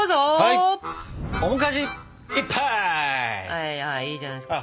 はいはいいいじゃないですか。